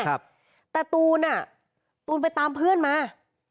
แต่ตูนอ่ะตูนไปตามเพื่อนมา